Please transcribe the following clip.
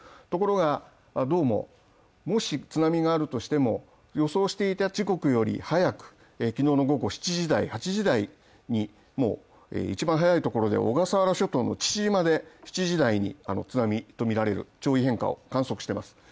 ところがどうももし津波があるとしても予想していた時刻より早く昨日の午後７時台、８時台に一番早いところで、小笠原諸島の父島で津波とみられる潮位変化を観測しています。